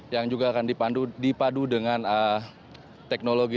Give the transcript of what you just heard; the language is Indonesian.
yang juga akan dipadu dengan teknologi